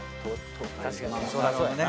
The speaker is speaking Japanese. なるほどね。